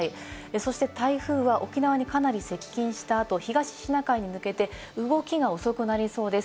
そして台風は沖縄にかなり接近したあと、東シナ海に向けて動きが遅くなりそうです。